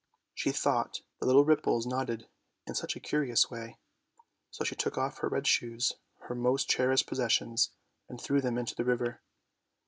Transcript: She thought the little ripples nodded in such a curious way, so she took off her red shoes, her most cherished possessions, and threw them both into the river.